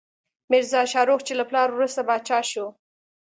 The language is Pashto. میرزا شاهرخ، چې له پلار وروسته پاچا شو.